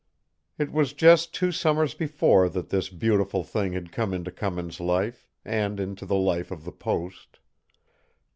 It was just two summers before that this beautiful thing had come into Cummins' life, and into the life of the post.